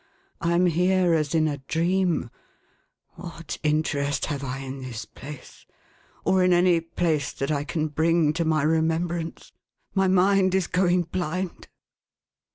I am here, as in a dream. What interest have I in this place, or in any place that I can bring to my remembrance ? My mind is going blind